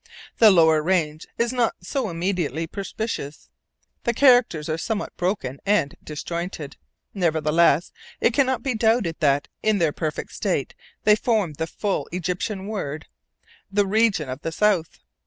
The lower range is not so immediately perspicuous. The characters are somewhat broken and disjointed; nevertheless, it can not be doubted that, in their perfect state, they formed the full Egyptian word, "The region of the south."